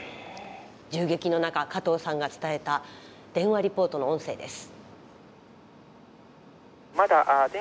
銃撃の中加藤さんが伝えた電話リポートの音声です。